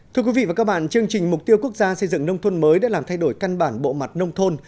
thưa quý vị và các bạn chương trình mục tiêu quốc gia xây dựng nông thôn mới đã làm thay đổi căn bản bộ mặt nông thôn